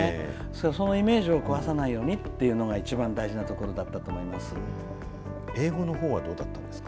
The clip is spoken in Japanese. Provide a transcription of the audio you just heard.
そのイメージを壊さないようにというのが一番大事なところだった英語のほうはどうですか。